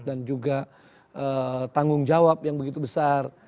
dan juga tanggung jawab yang begitu besar